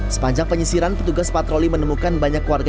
sepanjang penyisiran petugas patroli menemukan banyak warga